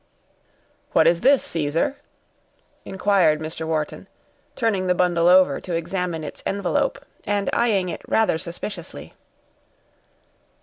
"What is this, Caesar?" inquired Mr. Wharton, turning the bundle over to examine its envelope, and eying it rather suspiciously.